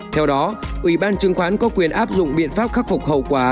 theo đó ủy ban chứng khoán có quyền áp dụng biện pháp khắc phục hậu quả